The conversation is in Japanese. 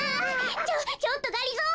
ちょちょっとがりぞー